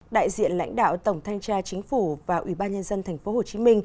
đại diện lãnh đạo tổng thanh tra chính phủ và ủy ban nhân dân tp hcm